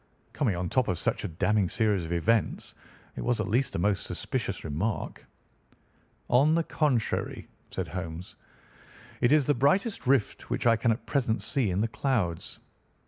"Coming on the top of such a damning series of events, it was at least a most suspicious remark." "On the contrary," said Holmes, "it is the brightest rift which I can at present see in the clouds.